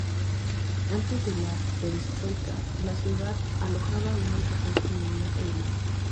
Antes de la perestroika la ciudad alojaba una importante comunidad alemana.